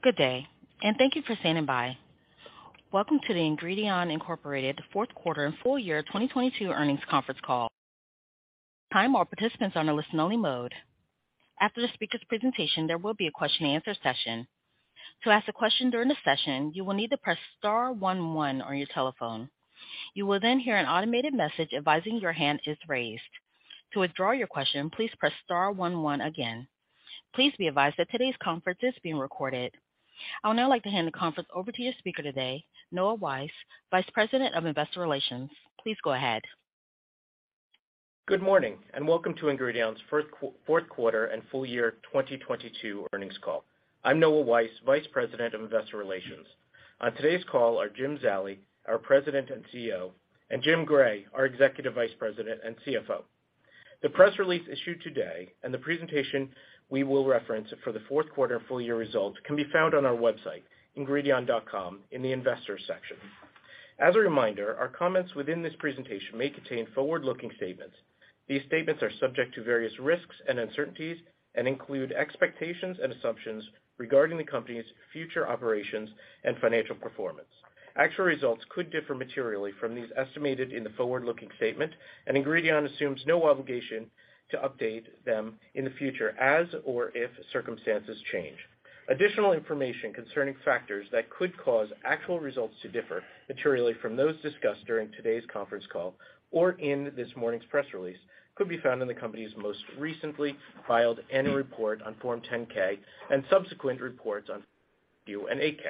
Good day. Thank you for standing by. Welcome to the Ingredion Incorporated fourth quarter and full year 2022 earnings conference call. At this time, all participants are on a listen only mode. After the speaker's presentation, there will be a question and answer session. To ask a question during the session, you will need to press star one on your telephone. You will then hear an automated message advising your hand is raised. To withdraw your question, please press star one again. Please be advised that today's conference is being recorded. I would now like to hand the conference over to your speaker today, Noah Weiss, Vice President of Investor Relations. Please go ahead. Good morning, and welcome to Ingredion's fourth quarter and full year 2022 earnings call. I'm Noah Weiss, vice president of investor relations. On today's call are Jim Zallie, our President and CEO, and Jim Gray, our Executive Vice President and CFO. The press release issued today and the presentation we will reference for the fourth quarter full year results can be found on our website, ingredion.com in the investors section. As a reminder, our comments within this presentation may contain forward-looking statements. These statements are subject to various risks and uncertainties and include expectations and assumptions regarding the company's future operations and financial performance. Actual results could differ materially from these estimated in the forward-looking statement, and Ingredion assumes no obligation to update them in the future as or if circumstances change. Additional information concerning factors that could cause actual results to differ materially from those discussed during today's conference call or in this morning's press release could be found in the company's most recently filed annual report on Form 10-K and subsequent reports on view and 8-K.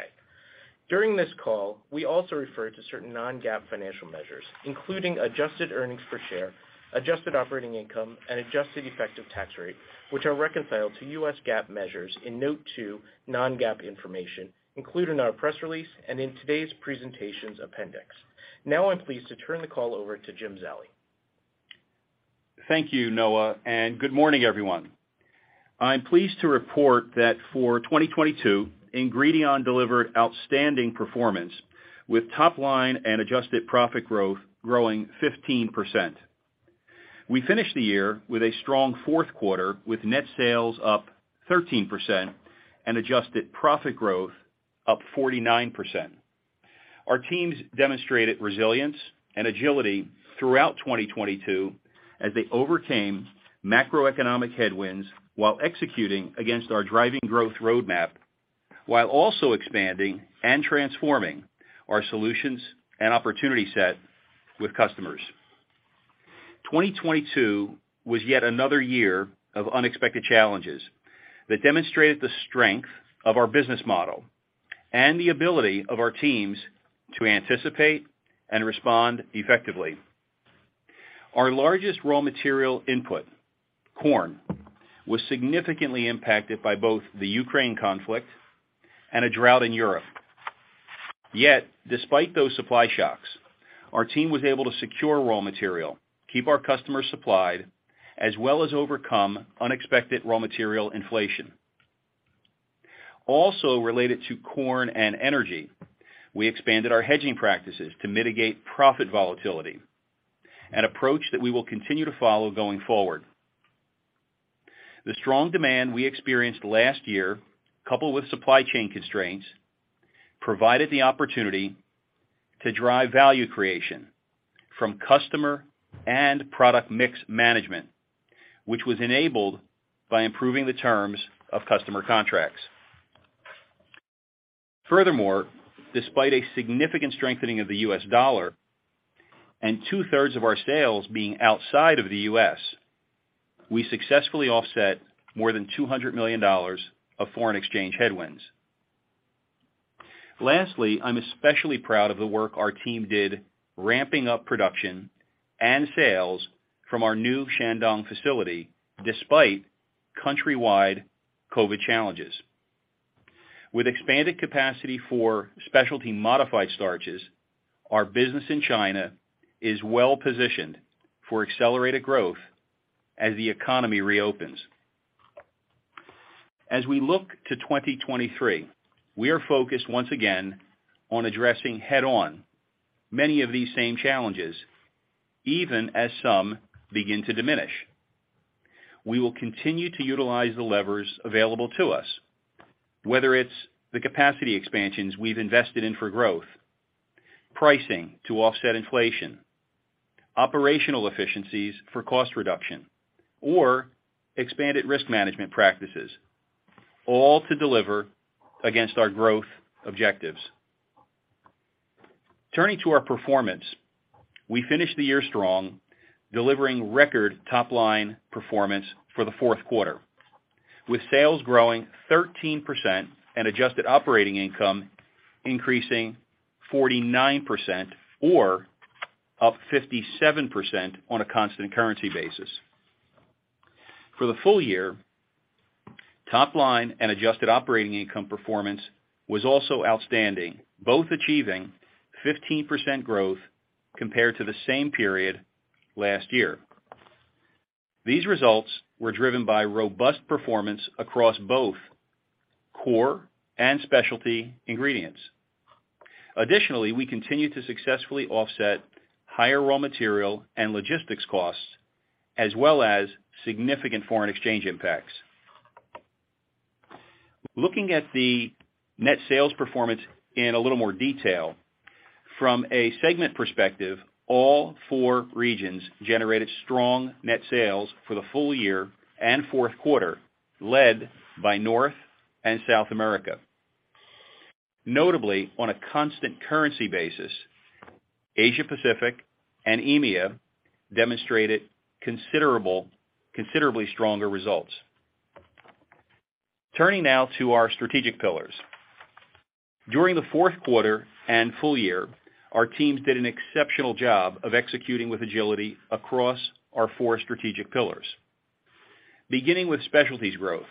During this call, we also refer to certain non-GAAP financial measures, including adjusted earnings per share, adjusted operating income, and adjusted effective tax rate, which are reconciled to US GAAP measures in Note 2 non-GAAP information included in our press release and in today's presentations appendix. I'm pleased to turn the call over to Jim Zallie. Thank you, Noah. Good morning, everyone. I'm pleased to report that for 2022, Ingredion delivered outstanding performance with top line and adjusted profit growth growing 15%. We finished the year with a strong fourth quarter, with net sales up 13% and adjusted profit growth up 49%. Our teams demonstrated resilience and agility throughout 2022 as they overcame macroeconomic headwinds while executing against our driving growth roadmap, while also expanding and transforming our solutions and opportunity set with customers. 2022 was yet another year of unexpected challenges that demonstrated the strength of our business model and the ability of our teams to anticipate and respond effectively. Our largest raw material input, corn, was significantly impacted by both the Ukraine conflict and a drought in Europe. Despite those supply shocks, our team was able to secure raw material, keep our customers supplied, as well as overcome unexpected raw material inflation. Also related to corn and energy, we expanded our hedging practices to mitigate profit volatility, an approach that we will continue to follow going forward. The strong demand we experienced last year, coupled with supply chain constraints, provided the opportunity to drive value creation from customer and product mix management, which was enabled by improving the terms of customer contracts. Furthermore, despite a significant strengthening of the US dollar and 2/3 of our sales being outside of the US, we successfully offset more than $200 million of foreign exchange headwinds. Lastly, I'm especially proud of the work our team did ramping up production and sales from our new Shandong facility despite countrywide COVID challenges. With expanded capacity for specialty modified starches, our business in China is well positioned for accelerated growth as the economy reopens. As we look to 2023, we are focused once again on addressing head on many of these same challenges, even as some begin to diminish. We will continue to utilize the levers available to us, whether it's the capacity expansion we have invested in for growth, pricing to offset inflation, operational efficiencies for cost reduction, or expanded risk management practices, all to deliver against our growth objectives. Turning to our performance, we finished the year strong, delivering record top line performance for the fourth quarter, with sales growing 13% and adjusted operating income increasing 49% or up 57% on a constant currency basis. For the full year, top line and adjusted operating income performance was also outstanding, both achieving 15% growth compared to the same period last year. These results were driven by robust performance across both core and specialty ingredients. We continue to successfully offset higher raw material and logistics costs as well as significant foreign exchange impacts. Looking at the net sales performance in a little more detail, from a segment perspective, all four regions generated strong net sales for the full year and fourth quarter, led by North and South America. Notably, on a constant currency basis, Asia Pacific and EMEA demonstrated considerably stronger results. Turning now to our strategic pillars. During the fourth quarter and full year, our teams did an exceptional job of executing with agility across our four strategic pillars. Beginning with specialties growth.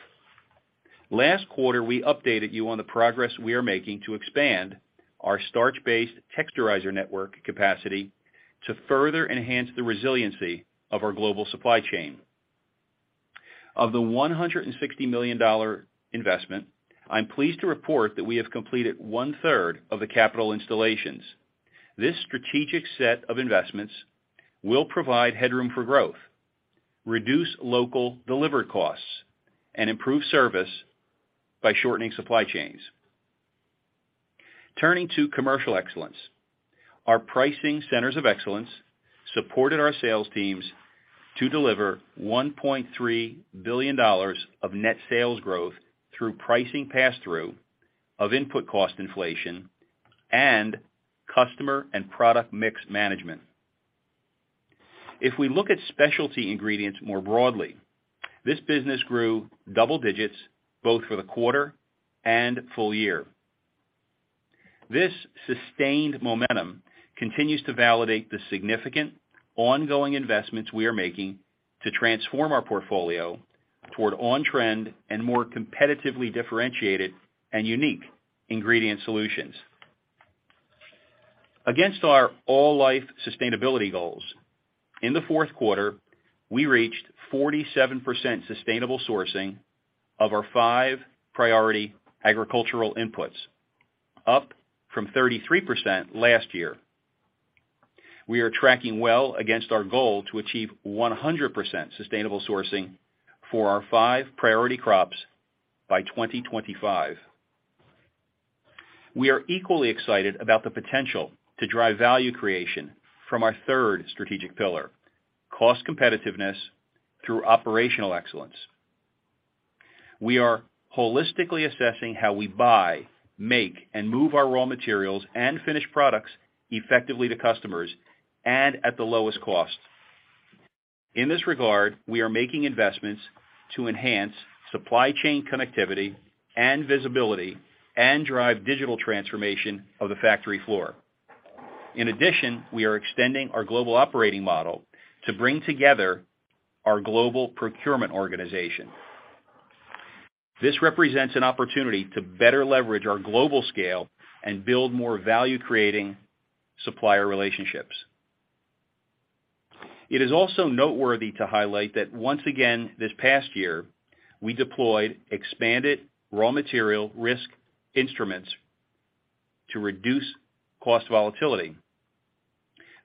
Last quarter, we updated you on the progress we are making to expand our starch-based texturizer network capacity to further enhance the resiliency of our global supply chain. Of the $160 million investment, I'm pleased to report that we have completed one-third of the capital installations. This strategic set of investments will provide headroom for growth, reduce local delivery costs, and improve service by shortening supply chains. Turning to commercial excellence. Our Pricing Centers of Excellence supported our sales teams to deliver $1.3 billion of net sales growth through pricing passthrough of input cost inflation and customer and product mix management. If we look at specialty ingredients more broadly, this business grew double digits both for the quarter and full year. This sustained momentum continues to validate the significant ongoing investments we are making to transform our portfolio toward on-trend and more competitively differentiated and unique ingredient solutions. Against our All Life sustainability goals, in the fourth quarter, we reached 47% sustainable sourcing of our five priority agricultural inputs, up from 33% last year. We are tracking well against our goal to achieve 100% sustainable sourcing for our five priority crops by 2025. We are equally excited about the potential to drive value creation from our third strategic pillar, cost competitiveness through operational excellence. We are holistically assessing how we buy, make, and move our raw materials and finished products effectively to customers and at the lowest cost. In this regard, we are making investments to enhance supply chain connectivity and visibility and drive digital transformation of the factory floor. In addition, we are extending our global operating model to bring together our global procurement organization. This represents an opportunity to better leverage our global scale and build more value-creating supplier relationships. It is also noteworthy to highlight that once again this past year, we deployed expanded raw material risk instruments to reduce cost volatility.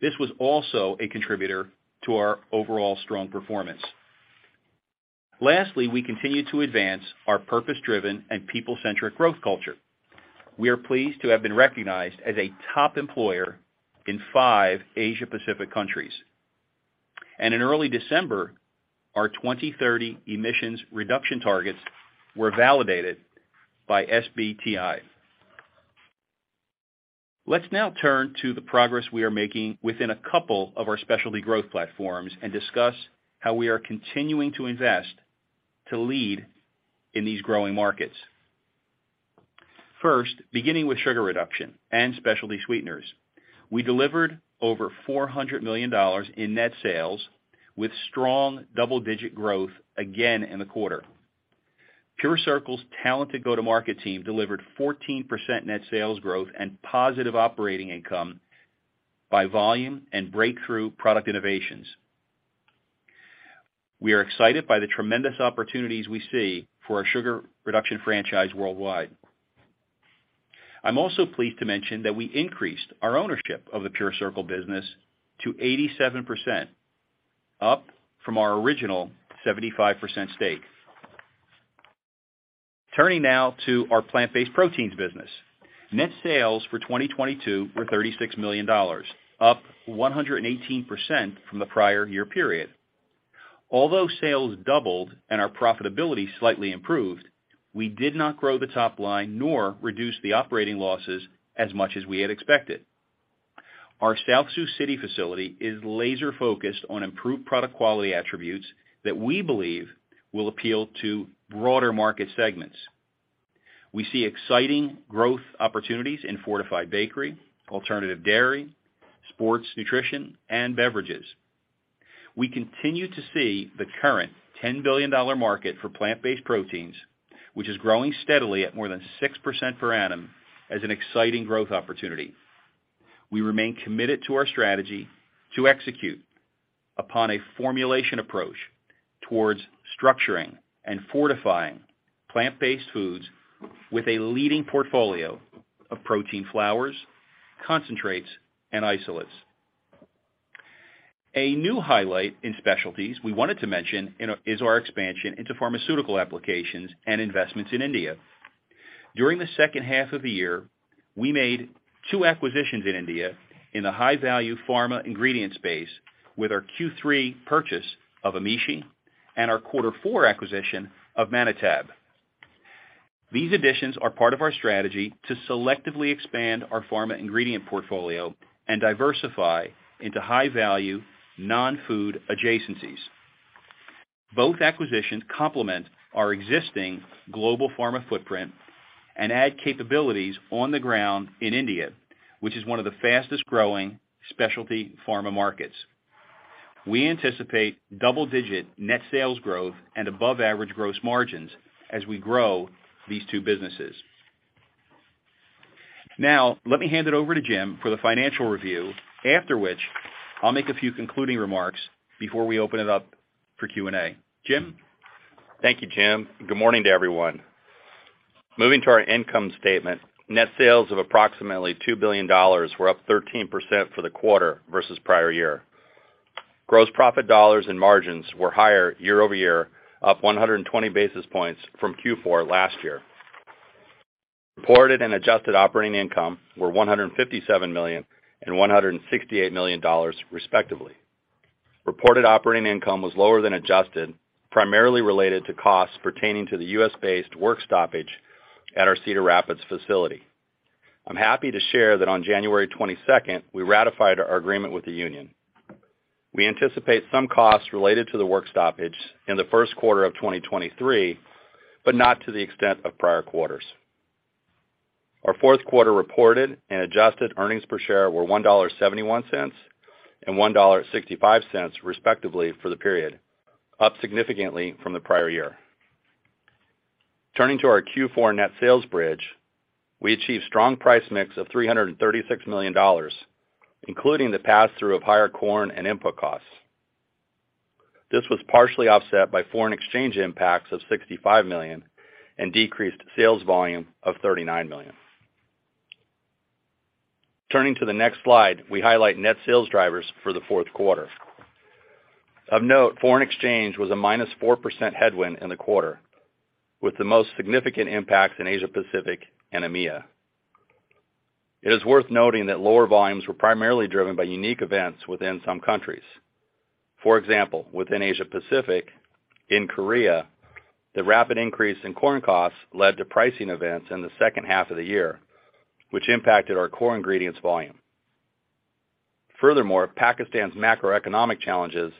This was also a contributor to our overall strong performance. Lastly, we continue to advance our purpose-driven and people-centric growth culture. We are pleased to have been recognized as a top employer in 5 Asia Pacific countries. In early December, our 2030 emissions reduction targets were validated by SBTi. Let us now turn to the progress we are making within a couple of our specialty growth platforms and discuss how we are continuing to invest to lead in these growing markets. First, beginning with sugar reduction and specialty sweeteners. We delivered over $400 million in net sales with strong double-digit growth again in the quarter. PureCircle's talented go-to-market team delivered 14% net sales growth and positive operating income by volume and breakthrough product innovations. We are excited by the tremendous opportunities we see for our sugar reduction franchise worldwide. I'm also pleased to mention that we increased our ownership of the PureCircle business to 87%, up from our original 75% stake. Turning now to our plant-based proteins business. Net sales for 2022 were $36 million, up 118% from the prior year period. Although sales doubled and our profitability slightly improved, we did not grow the top line nor reduce the operating losses as much as we had expected. Our South Sioux City facility is laser-focused on improved product quality attributes that we believe will appeal to broader market segments. We see exciting growth opportunities in fortified bakery, alternative dairy, sports nutrition and beverages. We continue to see the current $10 billion market for plant-based proteins, which is growing steadily at more than 6% per annum as an exciting growth opportunity. We remain committed to our strategy to execute upon a formulation approach towards structuring and fortifying plant-based foods with a leading portfolio of protein flours, concentrates, and isolates. A new highlight in specialties we wanted to mention is our expansion into pharmaceutical applications and investments in India. During the second half of the year, we made two acquisitions in India in the high-value pharma ingredient space with our Q3 purchase of Amishi and our Q4 acquisition of Mannitab. These additions are part of our strategy to selectively expand our pharma ingredient portfolio and diversify into high-value non-food adjacencies. Both acquisitions complement our existing global pharma footprint and add capabilities on the ground in India, which is one of the fastest-growing specialty pharma markets. We anticipate double-digit net sales growth and above-average gross margins as we grow these two businesses. Now, let me hand it over to Jim for the financial review, after which I'll make a few concluding remarks before we open it up for Q&A. Jim? Thank you, Jim. Good morning to everyone. Moving to our income statement, net sales of approximately $2 billion were up 13% for the quarter versus prior year. Gross profit dollars and margins were higher year-over-year, up 120 basis points from Q4 last year. Reported and adjusted operating income were $157 million and $168 million, respectively. Reported operating income was lower than adjusted, primarily related to costs pertaining to the U.S.-based work stoppage at our Cedar Rapids facility. I'm happy to share that on January 22, we ratified our agreement with the union. We anticipate some costs related to the work stoppage in the first quarter of 2023, but not to the extent of prior quarters. Our fourth quarter reported and adjusted earnings per share were $1.71 and $1.65, respectively, for the period, up significantly from the prior year. Turning to our Q4 net sales bridge. We achieved strong price mix of $336 million, including the pass-through of higher corn and input costs. This was partially offset by foreign exchange impacts of $65 million and decreased sales volume of $39 million. Turning to the next slide, we highlight net sales drivers for the fourth quarter. Of note, foreign exchange was a -4% headwind in the quarter, with the most significant impacts in Asia Pacific and EMEA. It is worth noting that lower volumes were primarily driven by unique events within some countries. For example, within Asia Pacific, in Korea, the rapid increase in corn costs led to pricing events in the second half of the year, which impacted our core ingredients volume. Pakistan's macroeconomic challenges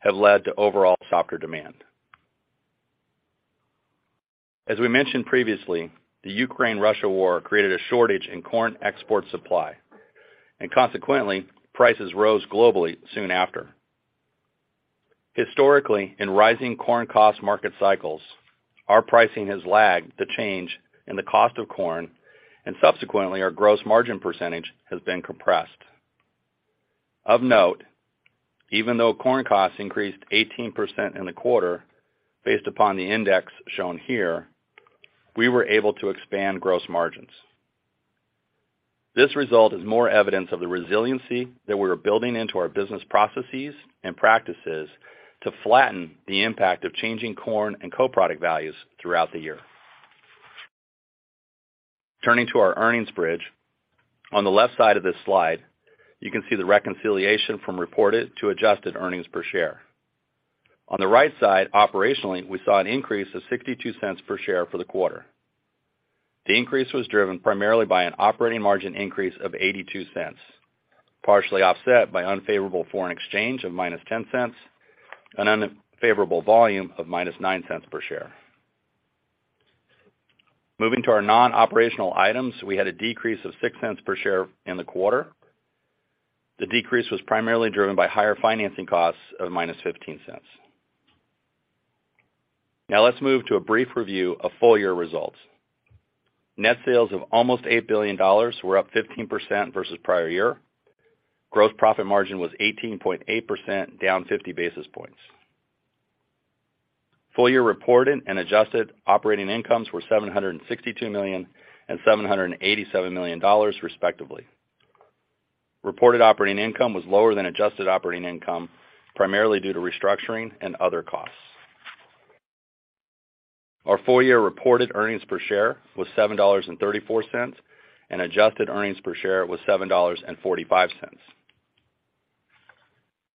have led to overall softer demand. As we mentioned previously, the Ukraine-Russia war created a shortage in corn export supply, and consequently, prices rose globally soon after. Historically, in rising corn cost market cycles, our pricing has lagged the change in the cost of corn, and subsequently, our gross margin percentage has been compressed. Of note, even though corn costs increased 18% in the quarter based upon the index shown here, we were able to expand gross margins. This result is more evidence of the resiliency that we are building into our business processes and practices to flatten the impact of changing corn and co-product values throughout the year. Turning to our earnings bridge. On the left side of this slide, you can see the reconciliation from reported to adjusted earnings per share. On the right side, operationally, we saw an increase of $0.62 per share for the quarter. The increase was driven primarily by an operating margin increase of $0.82, partially offset by unfavorable foreign exchange of -$0.10 and unfavorable volume of -$0.09 per share. Moving to our non-operational items, we had a decrease of $0.06 per share in the quarter. The decrease was primarily driven by higher financing costs of -$0.15. Let's move to a brief review of full-year results. Net sales of almost $8 billion were up 15% versus prior year. Gross profit margin was 18.8%, down 50 basis points. Full-year reported and adjusted operating incomes were $762 million and $787 million, respectively. Reported operating income was lower than adjusted operating income, primarily due to restructuring and other costs. Our full-year reported earnings per share was $7.34, and adjusted earnings per share was $7.45.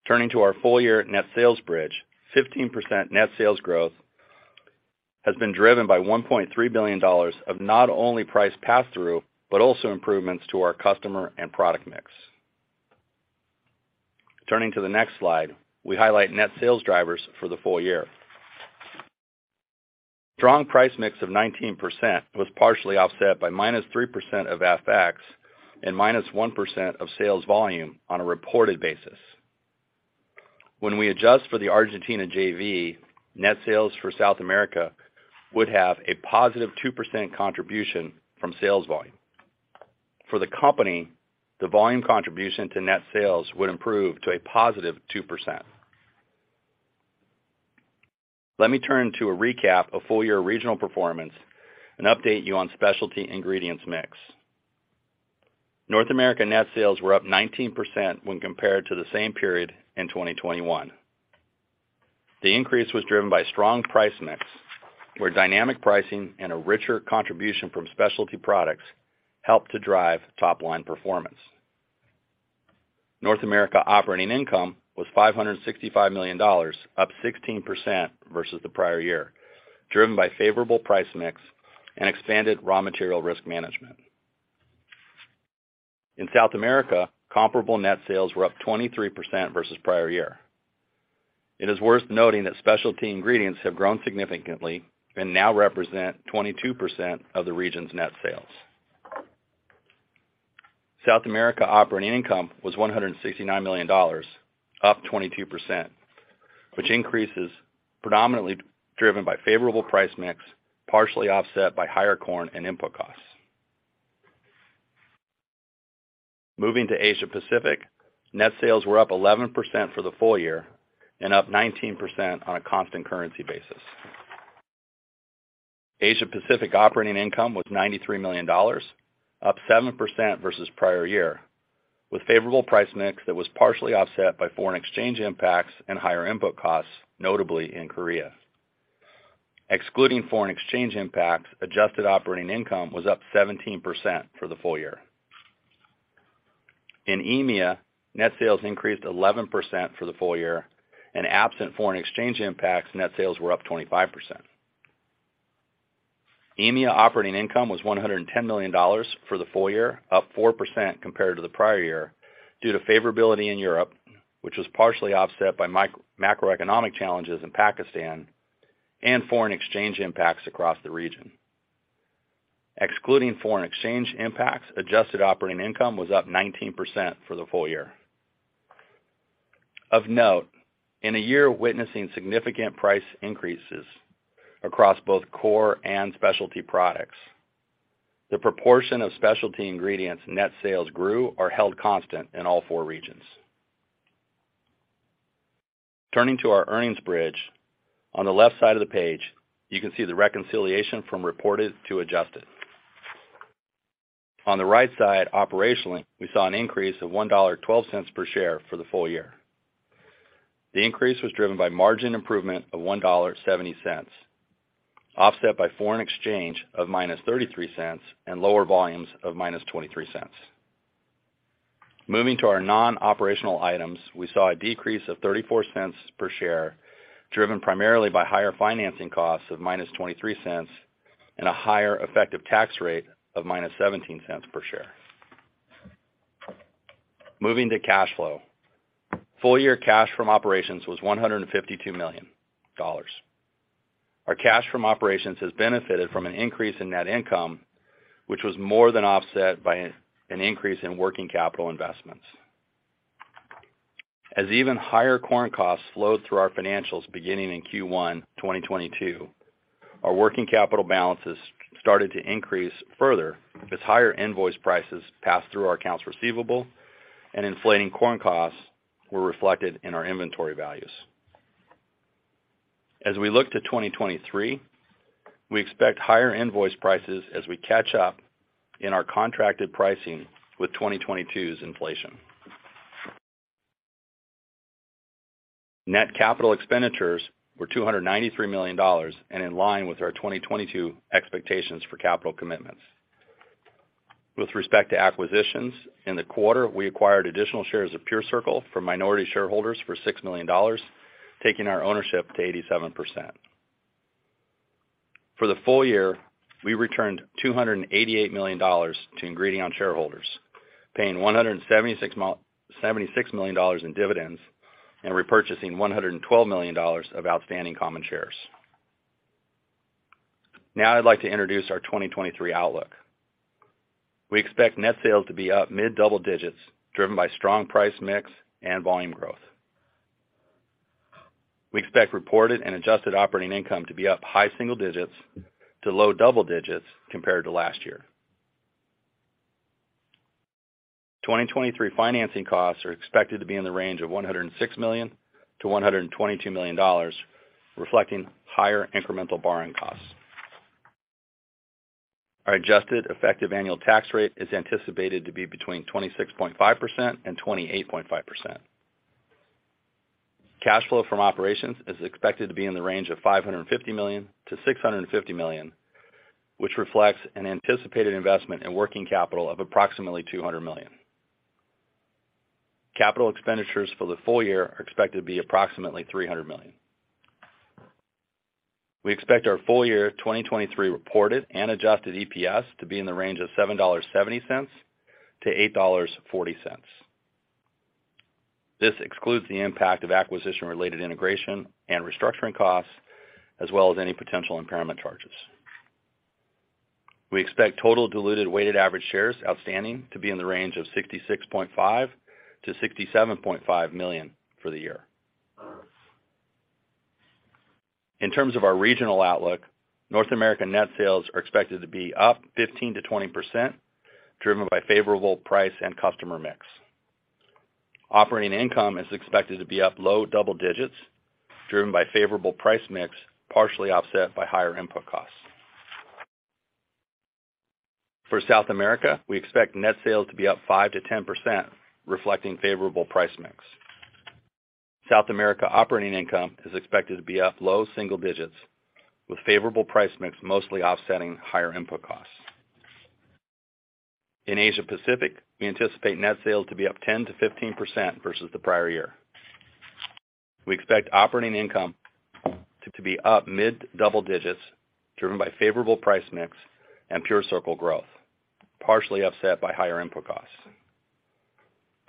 Turning to our full-year net sales bridge, 15% net sales growth has been driven by $1.3 billion of not only price pass-through but also improvements to our customer and product mix. Turning to the next slide, we highlight net sales drivers for the full year. Strong price mix of 19% was partially offset by -3% of FX and -1% of sales volume on a reported basis. When we adjust for the Argentina JV, net sales for South America would have a +2% contribution from sales volume. For the company, the volume contribution to net sales would improve to a +2%. Let me turn to a recap of full-year regional performance and update you on specialty ingredients mix. North America net sales were up 19% when compared to the same period in 2021. The increase was driven by strong price mix, where dynamic pricing and a richer contribution from specialty products helped to drive top line performance. North America operating income was $565 million, up 16% versus the prior year, driven by favorable price mix and expanded raw material risk management. In South America, comparable net sales were up 23% versus prior year. It is worth noting that specialty ingredients have grown significantly and now represent 22% of the region's net sales. South America operating income was $169 million, up 22%, which increase is predominantly driven by favorable price mix, partially offset by higher corn and input costs. Moving to Asia Pacific, net sales were up 11% for the full year and up 19% on a constant currency basis. Asia Pacific operating income was $93 million, up 7% versus prior year, with favorable price mix that was partially offset by foreign exchange impacts and higher input costs, notably in Korea. Excluding foreign exchange impacts, adjusted operating income was up 17% for the full year. In EMEA, net sales increased 11% for the full year absent foreign exchange impacts, net sales were up 25%. EMEA operating income was $110 million for the full year, up 4% compared to the prior year due to favorability in Europe, which was partially offset by macroeconomic challenges in Pakistan and foreign exchange impacts across the region. Excluding foreign exchange impacts, adjusted operating income was up 19% for the full year. Of note, in a year witnessing significant price increases across both core and specialty products, the proportion of specialty ingredients net sales grew or held constant in all four regions. Turning to our earnings bridge, on the left side of the page, you can see the reconciliation from reported to adjusted. On the right side, operationally, we saw an increase of $1.12 per share for the full year. The increase was driven by margin improvement of $1.70, offset by foreign exchange of -$0.33 and lower volumes of -$0.23. Moving to our non-operational items, we saw a decrease of $0.34 per share, driven primarily by higher financing costs of -$0.23 and a higher effective tax rate of -$0.17 per share. Moving to cash flow. Full-year cash from operations was $152 million. Our cash from operations has benefited from an increase in net income, which was more than offset by an increase in working capital investments. Even higher corn costs flowed through our financials beginning in Q1, 2022, our working capital balances started to increase further as higher invoice prices passed through our accounts receivable and inflating corn costs were reflected in our inventory values. We look to 2023, we expect higher invoice prices as we catch up in our contracted pricing with 2022's inflation. Net capital expenditures were $293 million and in line with our 2022 expectations for capital commitments. With respect to acquisitions, in the quarter, we acquired additional shares of PureCircle from minority shareholders for $6 million, taking our ownership to 87%. For the full year, we returned $288 million to Ingredion shareholders, paying $176 million in dividends and repurchasing $112 million of outstanding common shares. Now I'd like to introduce our 2023 outlook. We expect net sales to be up mid-double digits, driven by strong price mix and volume growth. We expect reported and adjusted operating income to be up high single digits to low double digits compared to last year. 2023 financing costs are expected to be in the range of $106 million-$122 million, reflecting higher incremental borrowing costs. Our adjusted effective annual tax rate is anticipated to be between 26.5% and 28.5%. Cash flow from operations is expected to be in the range of $550 million-$650 million, which reflects an anticipated investment in working capital of approximately $200 million. Capital expenditures for the full year are expected to be approximately $300 million. We expect our full year 2023 reported and adjusted EPS to be in the range of $7.70-$8.40. This excludes the impact of acquisition-related integration and restructuring costs, as well as any potential impairment charges. We expect total diluted weighted average shares outstanding to be in the range of 66.5 million-67.5 million for the year. In terms of our regional outlook, North American net sales are expected to be up 15%-20%, driven by favorable price and customer mix. Operating income is expected to be up low double digits, driven by favorable price mix, partially offset by higher input costs. For South America, we expect net sales to be up 5%-10%, reflecting favorable price mix. South America operating income is expected to be up low single digits, with favorable price mix mostly offsetting higher input costs. Asia Pacific, we anticipate net sales to be up 10%-15% versus the prior year. We expect operating income to be up mid double digits, driven by favorable price mix and PureCircle growth, partially offset by higher input costs.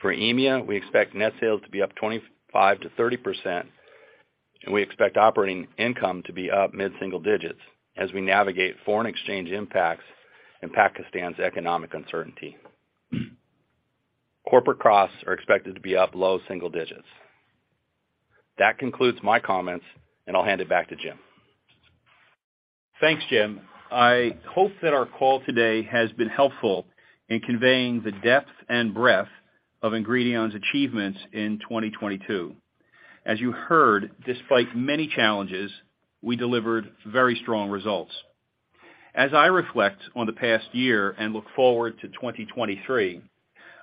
EMEA, we expect net sales to be up 25%-30%, and we expect operating income to be up mid-single digits as we navigate foreign exchange impacts and Pakistan's economic uncertainty. Corporate costs are expected to be up low single digits. That concludes my comments, and I'll hand it back to Jim. Thanks, Jim. I hope that our call today has been helpful in conveying the depth and breadth of Ingredion's achievements in 2022. As you heard, despite many challenges, we delivered very strong results. As I reflect on the past year and look forward to 2023,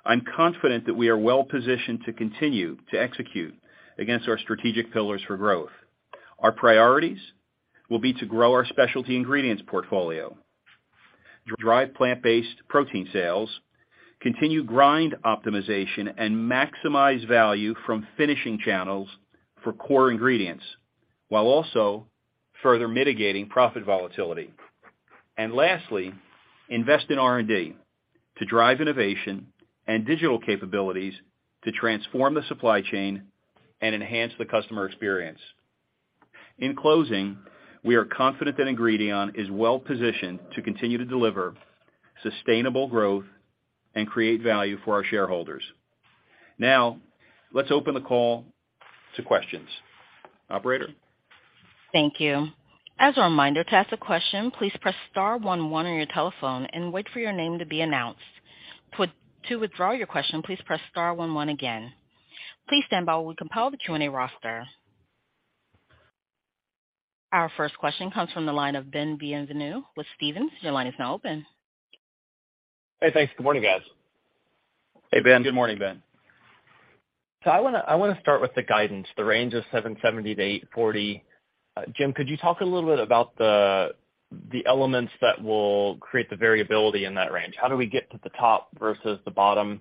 I'm confident that we are well-positioned to continue to execute against our strategic pillars for growth. Our priorities will be to grow our specialty ingredients portfolio, drive plant-based protein sales, continue grind optimization, and maximize value from finishing channels for core ingredients, while also further mitigating profit volatility. Lastly, invest in R&D to drive innovation and digital capabilities to transform the supply chain and enhance the customer experience. In closing, we are confident that Ingredion is well-positioned to continue to deliver sustainable growth and create value for our shareholders. Now, let's open the call to questions. Operator? Thank you. As a reminder, to ask a question, please press star one one on your telephone and wait for your name to be announced. To withdraw your question, please press star one one again. Please stand by while we compile the Q&A roster. Our first question comes from the line of Ben Bienvenu with Stephens. Your line is now open. Hey, thanks. Good morning, guys. Hey, Ben. Good morning, Ben. I wanna start with the guidance, the range of $7.70-$8.40. Jim, could you talk a little bit about the elements that will create the variability in that range? How do we get to the top versus the bottom?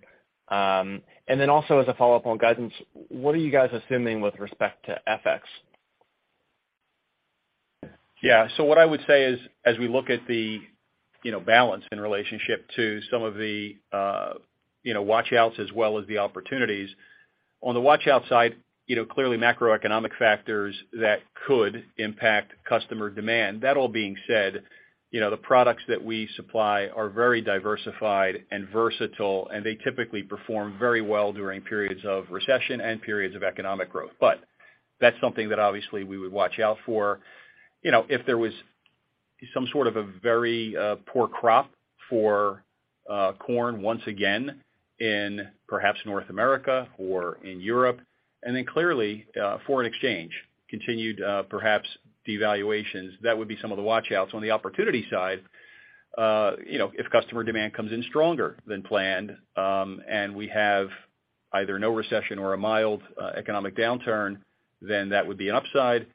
Also as a follow-up on guidance, what are you guys assuming with respect to FX? Yeah. What I would say is, as we look at the, you know, balance in relationship to some of the, you know, watch outs as well as the opportunities, on the watch out side, you know, clearly macroeconomic factors that could impact customer demand. That all being said, you know, the products that we supply are very diversified and versatile, and they typically perform very well during periods of recession and periods of economic growth. That's something that obviously we would watch out for. You know, if there was some sort of a very, poor crop for, corn once again in perhaps North America or in Europe, and then clearly, foreign exchange continued, perhaps devaluations, that would be some of the watch outs. On the opportunity side, you know, if customer demand comes in stronger than planned, and we have either no recession or a mild economic downturn, then that would be an upside.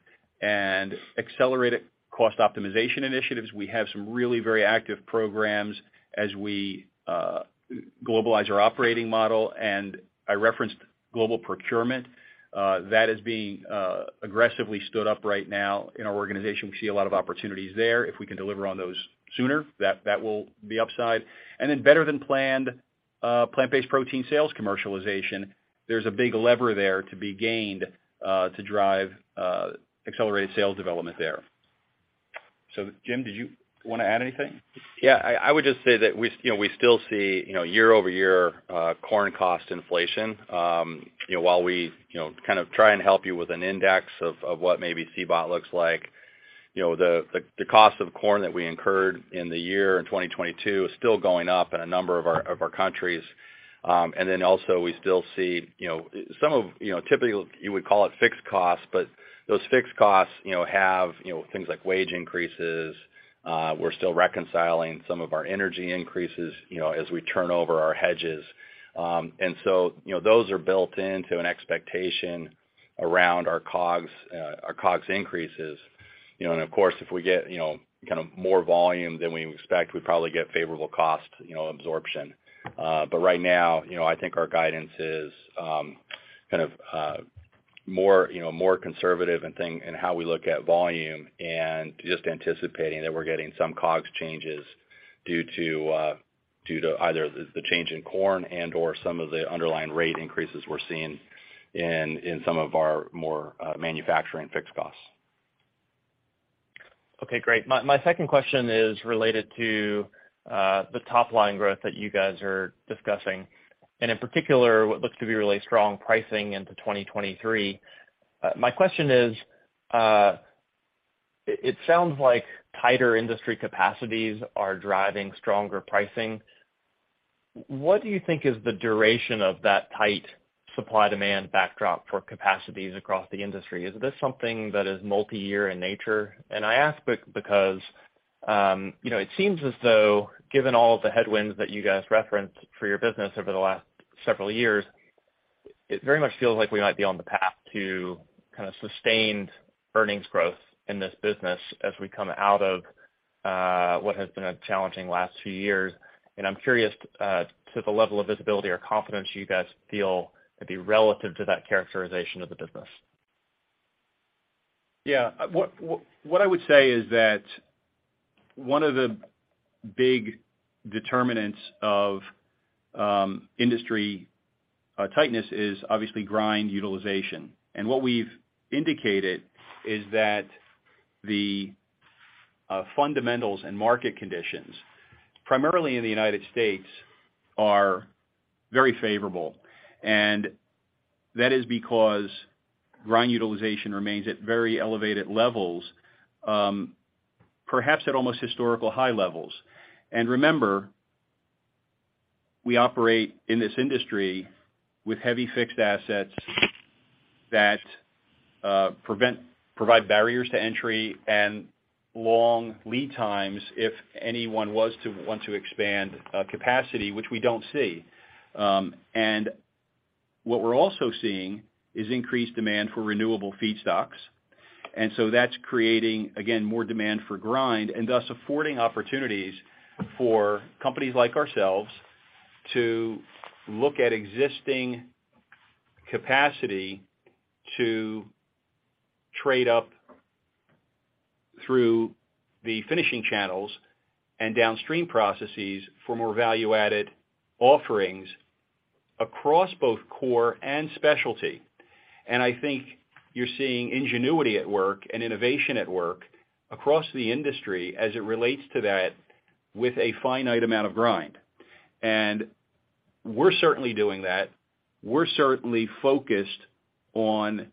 Accelerated cost optimization initiatives, we have some really very active programs as we globalize our operating model. I referenced global procurement that is being aggressively stood up right now in our organization. We see a lot of opportunities there. If we can deliver on those sooner, that will be upside. Better than planned plant-based protein sales commercialization, there's a big lever there to be gained to drive accelerated sales development there. Jim, did you wanna add anything? I would just say that we, you know, we still see, you know, year-over-year corn cost inflation. You know, while we, you know, kind of try and help you with an index of what maybe CBOT looks like, you know, the cost of corn that we incurred in the year in 2022 is still going up in a number of our countries. Then also we still see, you know, some of, you know, typically you would call it fixed costs, but those fixed costs, you know, have, you know, things like wage increases. We are still reconciling some of our energy increases, you know, as we turn over our hedges. So, you know, those are built into an expectation around our COGS, our COGS increases. You know, of course, if we get, you know, kind of more volume than we expect, we probably get favorable cost, you know, absorption. Right now, you know, I think our guidance is kind of more, you know, more conservative in how we look at volume and just anticipating that we're getting some COGS changes due to. Due to either the change in corn and, or some of the underlying rate increases we're seeing in some of our more manufacturing fixed costs. Okay, great. My second question is related to the top line growth that you guys are discussing, and in particular, what looks to be really strong pricing into 2023. My question is, it sounds like tighter industry capacities are driving stronger pricing. What do you think is the duration of that tight supply-demand backdrop for capacities across the industry? Is this something that is multi-year in nature? I ask because, you know, it seems as though, given all of the headwinds that you guys referenced for your business over the last several years, it very much feels like we might be on the path to kind of sustained earnings growth in this business as we come out of what has been a challenging last few years. I'm curious, to the level of visibility or confidence you guys feel could be relative to that characterization of the business. Yeah. What I would say is that one of the big determinants of industry tightness is obviously grind utilization. What we have indicated is that the fundamentals and market conditions, primarily in the United States, are very favorable. That is because grind utilization remains at very elevated levels, perhaps at almost historical high levels. Remember, we operate in this industry with heavy fixed assets that provide barriers to entry and long lead times if anyone was to want to expand capacity, which we don't see. And what we are also seeing is increased demand for renewable feedstocks. That's creating, again, more demand for grind and thus affording opportunities for companies like ourselves to look at existing capacity to trade up through the finishing channels and downstream processes for more value-added offerings across both core and specialty. I think you are seeing ingenuity at work and innovation at work across the industry as it relates to that with a finite amount of grind. We are certainly doing that. We are certainly focused on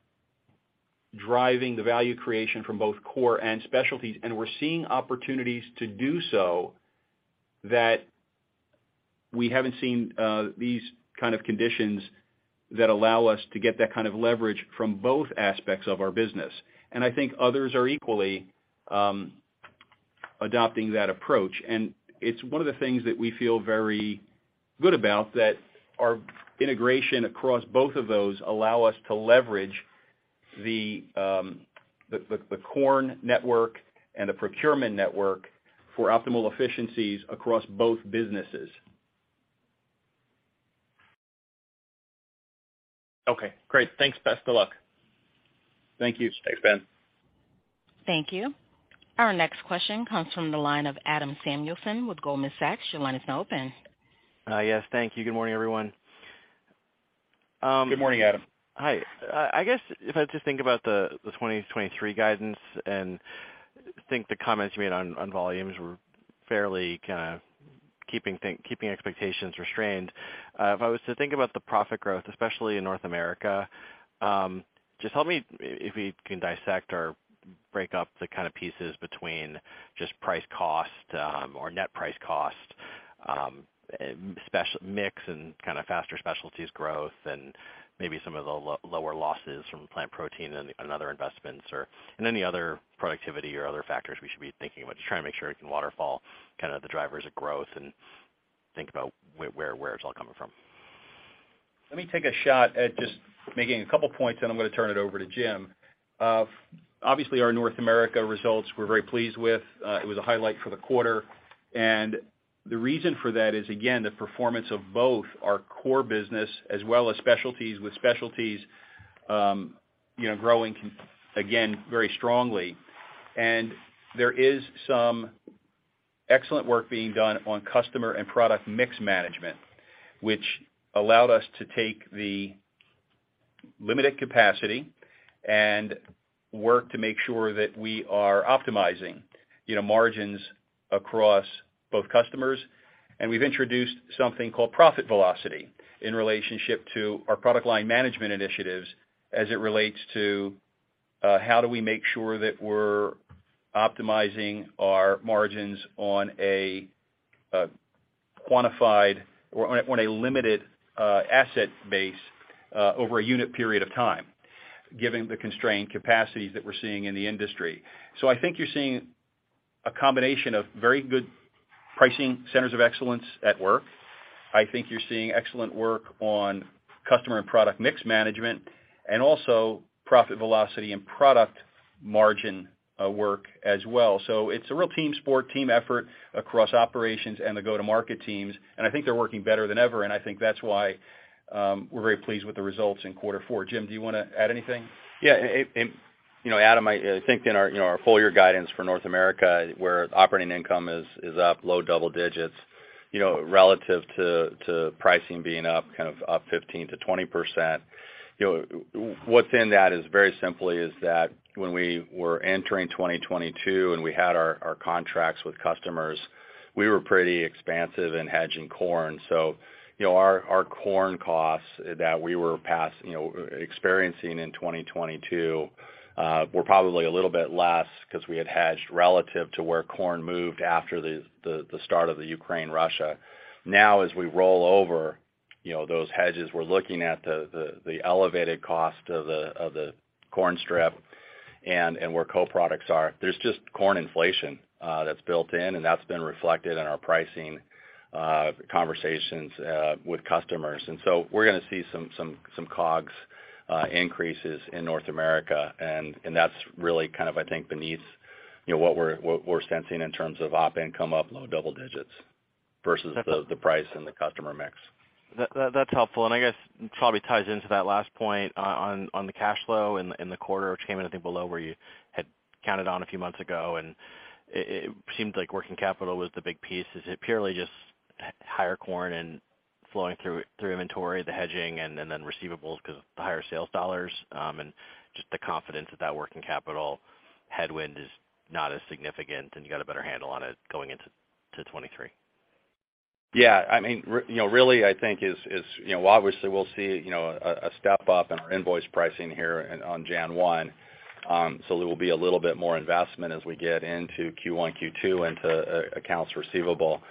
driving the value creation from both core and specialties, and we are seeing opportunities to do so that we haven't seen these kind of conditions that allow us to get that kind of leverage from both aspects of our business. I think others are equally adopting that approach. It's one of the things that we feel very good about, that our integration across both of those allow us to leverage the corn network and the procurement network for optimal efficiencies across both businesses. Okay, great. Thanks. Best of luck. Thank you. Thanks, Ben. Thank you. Our next question comes from the line of Adam Samuelson with Goldman Sachs. Your line is now open. Yes, thank you. Good morning, everyone. Good morning, Adam. Hi. I guess if I just think about the 2023 guidance and think the comments you made on volumes were fairly kind of keeping expectations restrained. If I was to think about the profit growth, especially in North America, just help me, if we can dissect or break up the kind of pieces between just price cost, or net price cost, mix and kind of faster Specialties growth and maybe some of the lower losses from Plant Protein and other investments and any other productivity or other factors we should be thinking about. Just trying to make sure we can waterfall kind of the drivers of growth and think about where, where it's all coming from. Let me take a shot at just making a couple points, and I'm gonna turn it over to Jim. Obviously, our North America results we are very pleased with. It was a highlight for the quarter. The reason for that is, again, the performance of both our core business as well as specialties, with specialties, you know, growing again very strongly. And there is some excellent work being done on customer and product mix management, which allowed us to take the limited capacity and work to make sure that we are optimizing, you know, margins across both customers. We have introduced something called profit velocity in relationship to our product line management initiatives as it relates to how do we make sure that we're optimizing our margins on a quantified or on a limited asset base over a unit period of time, given the constrained capacities that we're seeing in the industry. I think you are seeing a combination of very good Pricing Centers of Excellence at work. I think you're seeing excellent work on customer and product mix management, and also profit velocity and product margin work as well. It's a real team sport, team effort across operations and the go-to-market teams, and I think they are working better than ever, and I think that's why we're very pleased with the results in quarter four. Jim, do you wanna add anything? You know, Adam, I think in our, you know, our full year guidance for North America, where operating income is up low double digits, you know, relative to pricing being up, kind of up 15%-20%. You know, what's in that is very simply is that when we were entering 2022, and we had our contracts with customers, we were pretty expansive in hedging corn. You know, our corn costs that we were experiencing in 2022 were probably a little bit less 'cause we had hedged relative to where corn moved after the start of the Ukraine-Russia. As we roll over, you know, those hedges, we're looking at the elevated cost of the corn strip and where co-products are. There's just corn inflation, that's built in, and that's been reflected in our pricing, conversations, with customers. We are gonna see some COGS, increases in North America and that's really kind of, I think, beneath, you know, what we are, what we're sensing in terms of Op income up low double digits versus the price and the customer mix. That's helpful, I guess probably ties into that last point on the cash flow in the quarter which came in, I think, below where you had counted on a few months ago. It seems like working capital was the big piece. Is it purely just higher corn and flowing through inventory, the hedging and then receivables 'cause of the higher sales dollars, and just the confidence that working capital headwind is not as significant and you got a better handle on it going into 2023? Yeah. I mean, you know, really I think is, you know, obviously we'll see, you know, a step up in our invoice pricing here in, on Jan 1. There will be a little bit more investment as we get into Q1, Q2 into accounts receivable.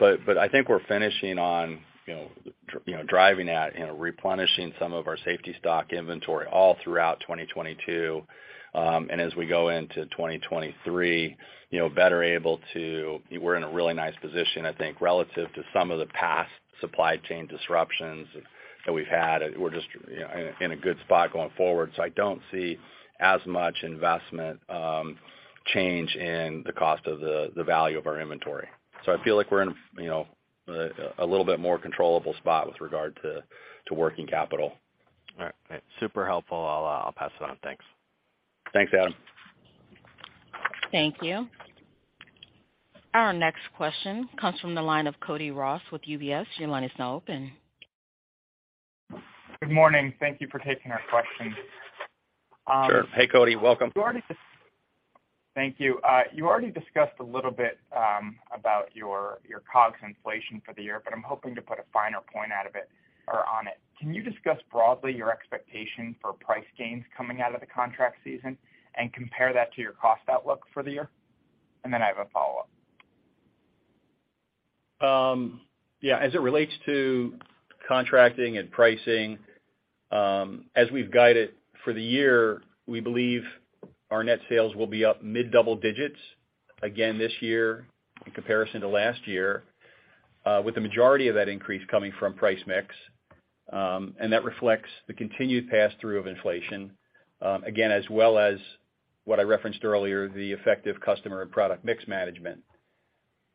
I think we're finishing on, you know, driving at and replenishing some of our safety stock inventory all throughout 2022. As we go into 2023, you know, better able to... We are in a really nice position I think, relative to some of the past supply chain disruptions that we've had. We're just, you know, in a good spot going forward. I don't see as much investment change in the cost of the value of our inventory. I feel like we are in, you know, a little bit more controllable spot with regard to working capital. All right. Super helpful. I'll pass it on. Thanks. Thanks, Adam. Thank you. Our next question comes from the line of Cody Ross with UBS. Your line is now open. Good morning. Thank you for taking our questions. Sure. Hey, Cody, welcome. You already. Thank you. You already discussed a little bit about your COGS inflation for the year, but I'm hoping to put a finer point out of it or on it. Can you discuss broadly your expectation for price gains coming out of the contract season and compare that to your cost outlook for the year? I have a follow-up. Yeah, as it relates to contracting and pricing, as we've guided for the year, we believe our net sales will be up mid-double digits again this year in comparison to last year, with the majority of that increase coming from price mix. That reflects the continued pass-through of inflation, again as well as what I referenced earlier, the effective customer and product mix management.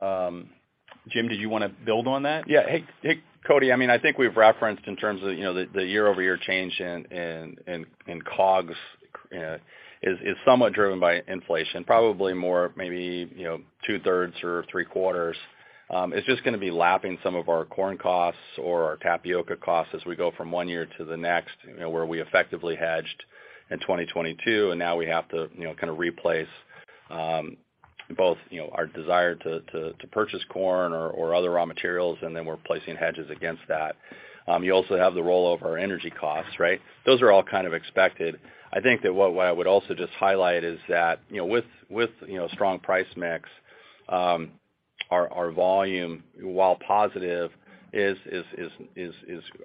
Jim, did you wanna build on that? Yeah. Hey, Cody. I mean, I think we have referenced in terms of, you know, the year-over-year change in COGS is somewhat driven by inflation, probably more maybe, you know, 2/3 or 3/4. It's just gonna be lapping some of our corn costs or our tapioca costs as we go from one year to the next, you know, where we effectively hedged in 2022, and now we have to, you know, kind of replace, both, you know, our desire to purchase corn or other raw materials, and then we're placing hedges against that. You also have the rollover energy costs, right? Those are all kind of expected. I think that what I would also just highlight is that, you know, with, you know, strong price mix, our volume, while positive is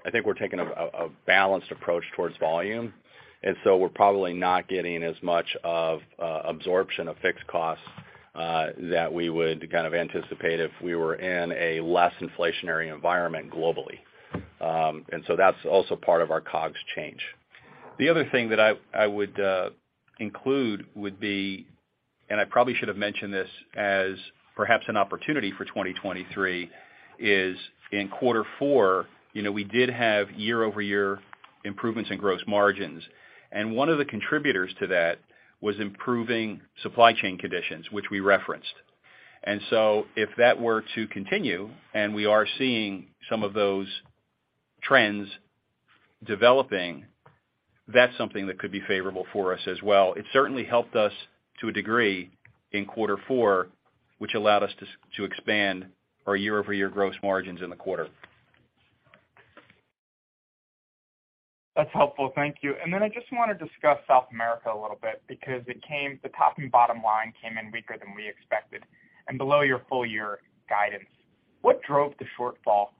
I think we're taking a balanced approach towards volume, and so we are probably not getting as much of absorption of fixed costs that we would kind of anticipate if we were in a less inflationary environment globally. That's also part of our COGS change. The other thing that I would include would be, I probably should have mentioned this as perhaps an opportunity for 2023, is in quarter four, you know, we did have year-over-year improvements in gross margins. One of the contributors to that was improving supply chain conditions, which we referenced. If that were to continue, and we are seeing some of those trends developing, that's something that could be favorable for us as well. It certainly helped us to a degree in quarter four, which allowed us to expand our year-over-year gross margins in the quarter. That is helpful. Thank you. I just wanna discuss South America a little bit because the top and bottom line came in weaker than we expected and below your full year guidance. What drove the shortfall?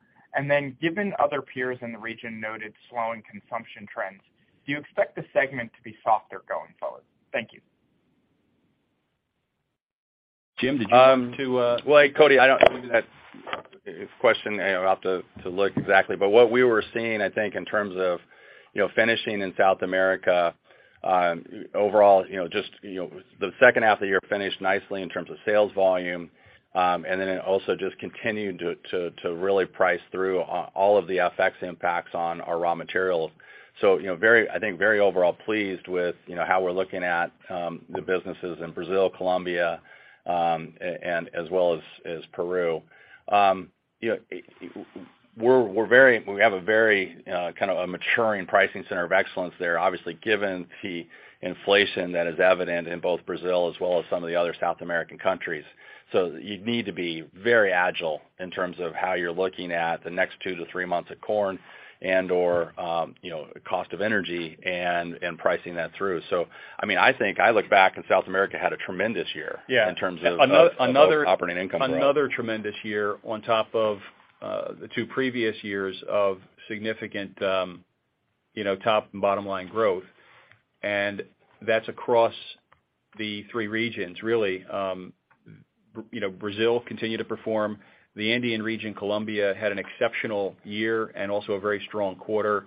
Given other peers in the region noted slowing consumption trends, do you expect the segment to be softer going forward? Thank you. Jim, did you want to. Well, hey, Cody, I don't. It's a question I'll have to look exactly. What we were seeing, I think, in terms of finishing in South America, overall, just the second half of the year finished nicely in terms of sales volume, and then it also just continued to really price through all of the FX impacts on our raw materials. I think very overall pleased with how we are looking at the businesses in Brazil, Colombia, and as well as Peru. We have a very kind of a maturing Pricing Center of Excellence there, obviously, given the inflation that is evident in both Brazil as well as some of the other South American countries. You need to be very agile in terms of how you are looking at the next 2 to 3 months of corn and/or, you know, cost of energy and pricing that through. I mean, I think I look back and South America had a tremendous year... Yeah... in terms of both operating income growth. Another tremendous year on top of the two previous years of significant, you know, top and bottom line growth. That's across the three regions, really. You know, Brazil continued to perform. The Andean region, Colombia, had an exceptional year and also a very strong quarter.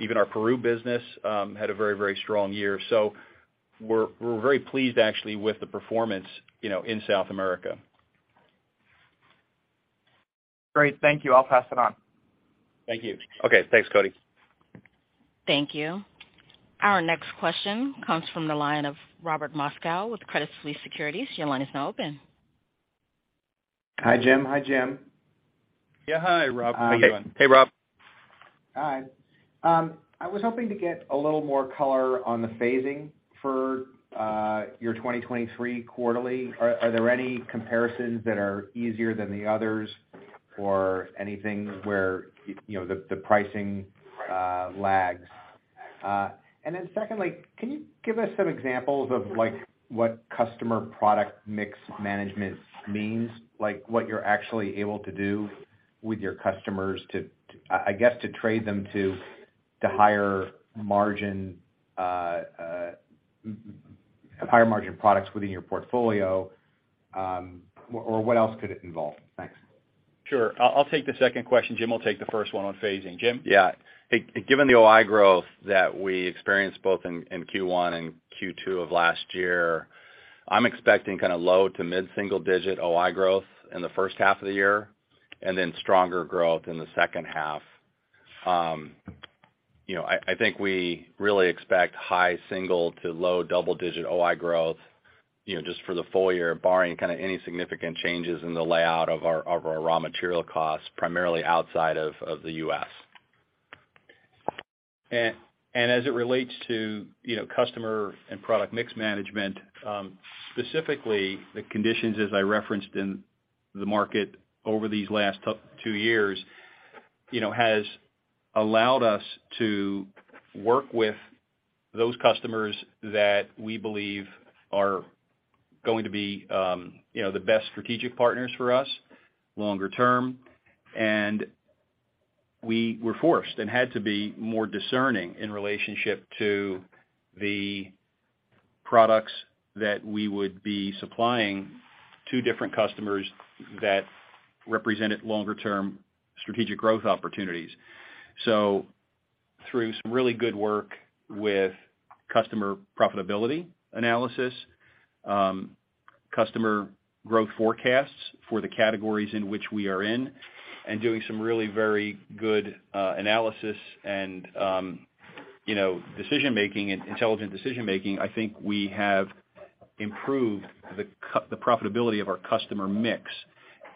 Even our Peru business had a very, very strong year. We are very pleased actually with the performance, you know, in South America. Great. Thank you. I'll pass it on. Thank you. Okay. Thanks, Cody. Thank you. Our next question comes from the line of Robert Moskow with Credit Suisse Securities. Your line is now open. Hi, Jim, Hi Jim. Yeah. Hi, Rob. How you doing? Hey, Rob. Hi. I was hoping to get a little more color on the phasing for your 2023 quarterly. Are there any comparisons that are easier than the others or anything where, you know, the pricing lags? Secondly, can you give us some examples of like what customer product mix management means, like what you are actually able to do with your customers to, I guess, to trade them to higher margin products within your portfolio, or what else could it involve? Thanks. Sure. I'll take the second question. Jim will take the first one on phasing. Jim. Given the OI growth that we experienced both in Q1 and Q2 of last year, I'm expecting kind of low to mid single-digit OI growth in the first half of the year, and then stronger growth in the second half. you know, I think we really expect high single- to low double-digit OI growth, you know, just for the full year, barring kind of any significant changes in the layout of our raw material costs, primarily outside of the U.S. As it relates to, you know, customer and product mix management, specifically the conditions as I referenced in the market over these last two years, you know, has allowed us to work with those customers that we believe are going to be, you know, the best strategic partners for us longer term. We were forced and had to be more discerning in relationship to the products that we would be supplying to different customers that represented longer term strategic growth opportunities. Through some really good work with customer profitability analysis, customer growth forecasts for the categories in which we are in, and doing some really very good analysis and, you know, decision-making and intelligent decision-making, I think we have improved the profitability of our customer mix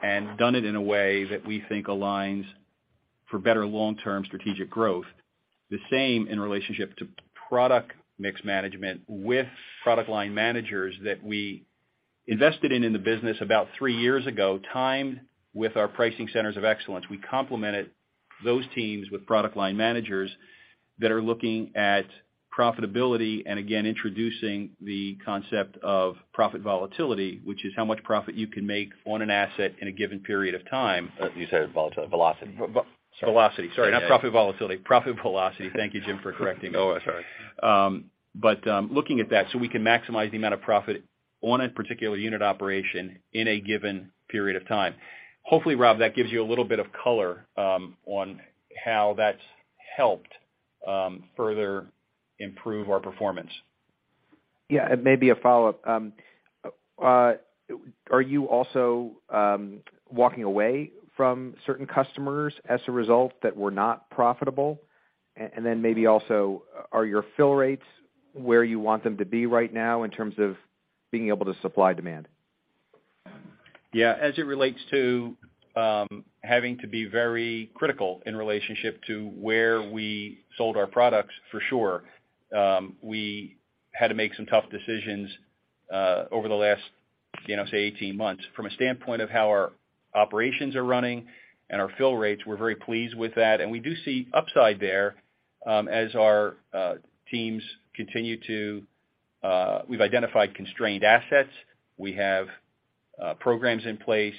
and done it in a way that we think aligns for better long-term strategic growth. The same in relationship to product mix management with product line managers that we invested in the business about three years ago, timed with our Pricing Centers of Excellence. We complemented those teams with product line managers that are looking at profitability and again, introducing the concept of profit velocity, which is how much profit you can make on an asset in a given period of time. You said volatility. Velocity. Velocity. Sorry. Not profit volatility. Profit velocity. Thank you, Jim, for correcting me. Oh, sorry. Looking at that, so we can maximize the amount of profit on a particular unit operation in a given period of time. Hopefully, Rob, that gives you a little bit of color, on how that's helped, further improve our performance. Yeah. Maybe a follow-up. Are you also walking away from certain customers as a result that were not profitable? Maybe also, are your fill rates where you want them to be right now in terms of being able to supply demand? Yeah. As it relates to, having to be very critical in relationship to where we sold our products, for sure, we had to make some tough decisions over the last, you know, say 18 months. From a standpoint of how our operations are running and our fill rates, we are very pleased with that. We do see upside there, as our teams continue to, we have identified constrained assets. We have programs in place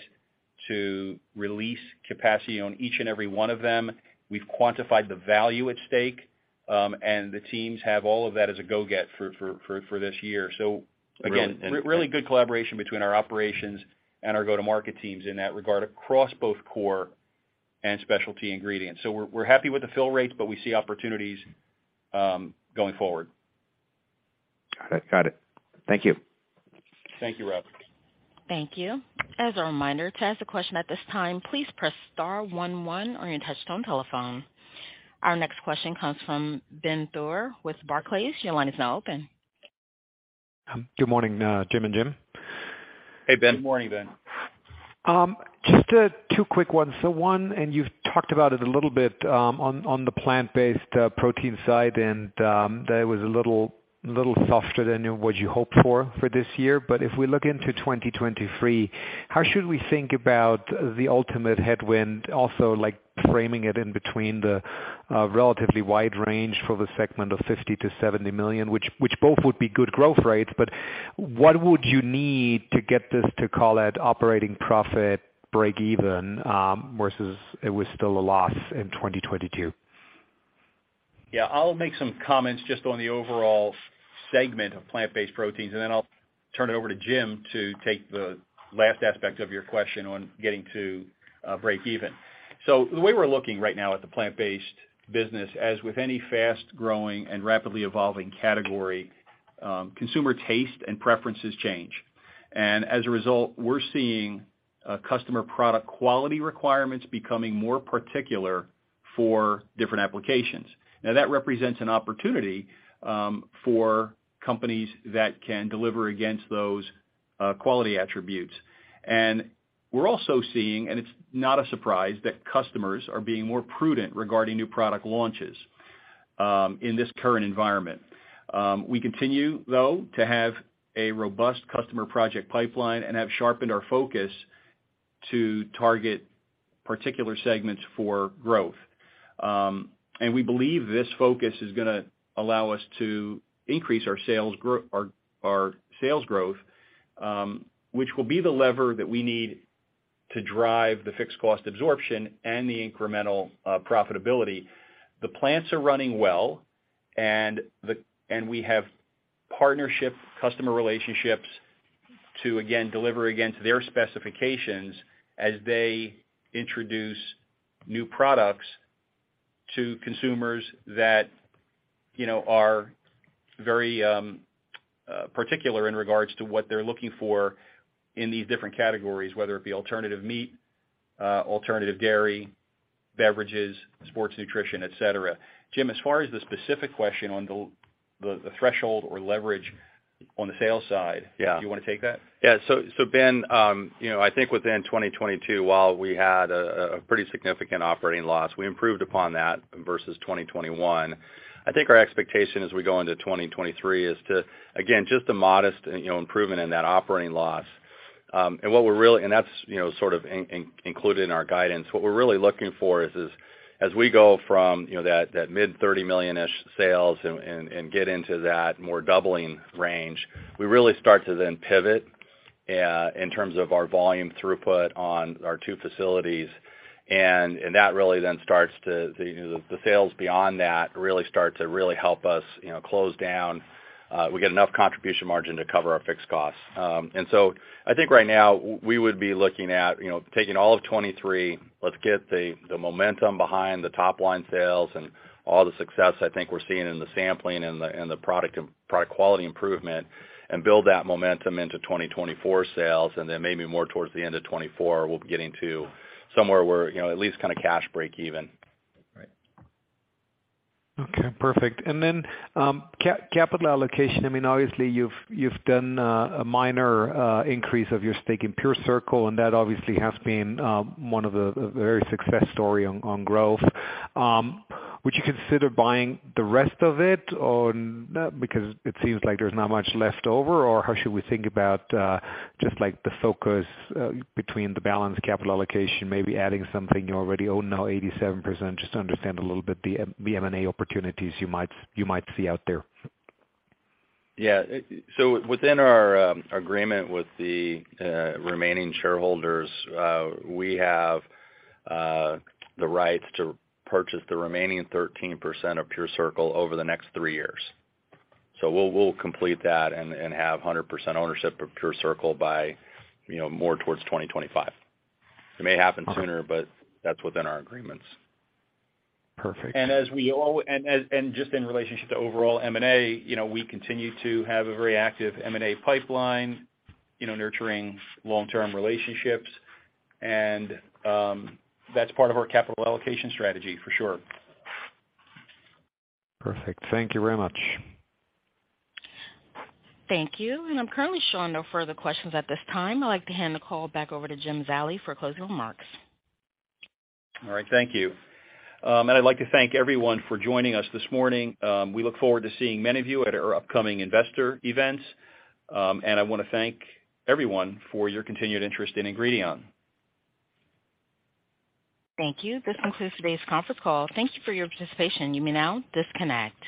to release capacity on each and every one of them. We have quantified the value at stake. And the teams have all of that as a go-get for this year. So again, really good collaboration between our operations and our go-to-market teams in that regard across both core and specialty ingredients. So we are, happy with the fill rates, but we see opportunities going forward. Got it. Got it. Thank you. Thank you, Rob. Thank you. As a reminder, to ask a question at this time, please press star one one on your touchtone telephone. Our next question comes from Benjamin Theurer with Barclays. Your line is now open. Good morning, Jim and Jim. Hey, Ben. Good morning, Ben. Just two quick ones. One, and you've talked about it a little bit, on the plant-based protein side, and that it was a little softer than what you hoped for for this year. If we look into 2023, how should we think about the ultimate headwind, also, like framing it in between the relatively wide range for the segment of $50 million-$70 million, which both would be good growth rates? But what would you need to get this to call it operating profit breakeven, versus it was still a loss in 2022? Yeah. I'll make some comments just on the overall segment of plant-based proteins, and then I'll turn it over to Jim to take the last aspect of your question on getting to breakeven. The way we're looking right now at the plant-based business, as with any fast-growing and rapidly evolving category, consumer taste and preferences change. As a result, we are seeing customer product quality requirements becoming more particular for different applications. Now, that represents an opportunity for companies that can deliver against those quality attributes. We are also seeing, and it's not a surprise, that customers are being more prudent regarding new product launches in this current environment. We continue, though, to have a robust customer project pipeline and have sharpened our focus to target particular segments for growth. We believe this focus is gonna allow us to increase our sales growth, which will be the lever that we need to drive the fixed cost absorption and the incremental profitability. The plants are running well, and we have partnership customer relationships to, again deliver against their specifications as they introduce new products to consumers that, you know, are very particular in regards to what they are looking for in these different categories, whether the alternative of meat, alternative dairy, beverages, sports nutrition, et cetera. Jim, as far as the specific question on the threshold or leverage on the sales side. Yeah. Do you wanna take that? Yeah. Ben, you know, I think within 2022, while we had a pretty significant operating loss, we improved upon that versus 2021. I think our expectation as we go into 2023 is to, again, just a modest, you know, improvement in that operating loss. That's, you know, sort of included in our guidance. What we are really looking for is this, as we go from, you know, that mid-$30 million-ish sales and get into that more doubling range, we really start to then pivot in terms of our volume throughput on our two facilities. That really then starts to, you know, the sales beyond that really start to help us, you know, close down. We get enough contribution margin to cover our fixed costs. I think right now we would be looking at, you know, taking all of 23, let's get the momentum behind the top line sales and all the success I think we are seeing in the sampling and the, and the product quality improvement, and build that momentum into 2024 sales. And maybe more towards the end of 24, we'll be getting to somewhere where, you know, at least kinda cash breakeven. Right. Okay. Perfect. Capital allocation, I mean, obviously you've done a minor increase of your stake in PureCircle, and that obviously has been one of the very success story on growth. Would you consider buying the rest of it or because it seems like there is not much left over? How should we think about just like the focus between the balance capital allocation, maybe adding something you already own now 87%, just to understand a little bit the M&A opportunities you might see out there? Yeah. So within our agreement with the remaining shareholders, we have the rights to purchase the remaining 13% of PureCircle over the next 3 years. We will complete that and have 100% ownership of PureCircle by, you know, more towards 2025. It may happen sooner, but that's within our agreements. Perfect. Just in relationship to overall M&A, you know, we continue to have a very active M&A pipeline, you know, nurturing long-term relationships. And that's part of our capital allocation strategy for sure. Perfect. Thank you very much. Thank you. I'm currently showing no further questions at this time. I'd like to hand the call back over to Jim Zallie for closing remarks. All right. Thank you. I'd like to thank everyone for joining us this morning. We look forward to seeing many of you at our upcoming investor events. I wanna thank everyone for your continued interest in Ingredion. Thank you. This concludes today's conference call. Thank you for your participation. You may now disconnect.